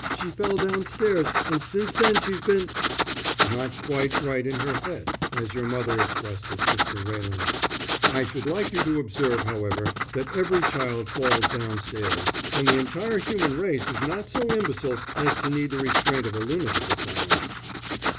She fell downstairs, and since then she's been " "Not quite right in her head, as your mother expressed it, Mr. Railing. I should like you to observe, however, that every child falls downstairs, and the entire human race is not so imbecile as to need the restraint of a lunatic asylum."